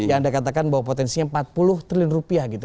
yang anda katakan bahwa potensinya empat puluh triliun rupiah gitu